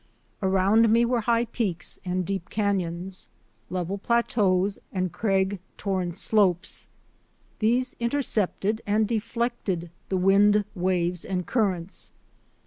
Around me were high peaks and deep canons, level plateaus and crag torn slopes. These inter cepted and deflected the wind waves and currents.